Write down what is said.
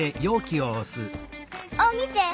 あっみて！